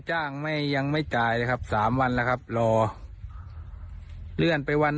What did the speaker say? ไม่ยังไม่จ่ายเลยครับสามวันแล้วครับรอเลื่อนไปวัน